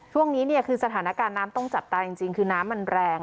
ช่วงนี้เนี่ยคือสถานการณ์น้ำต้องจับตาจริงคือน้ำมันแรง